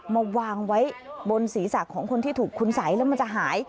มาวางไว้บนศีรษะของคนที่ถูกคุณสัยแล้วมันจะหาย